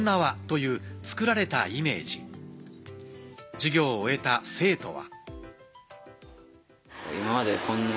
授業を終えた生徒は。